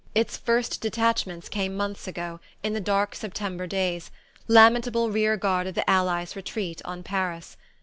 Its first detachments came months ago, in the dark September days lamentable rear guard of the Allies' retreat on Paris.